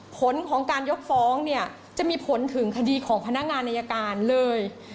ผลของการยกฟ้องเนี่ยจะมีผลถึงคดีของพนักงานอายการเลย